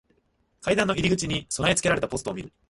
階段の入り口に備え付けられたポストを見る。